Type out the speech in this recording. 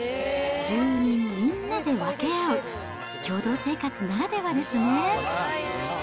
住人みんなで分け合う、共同生活ならではですね。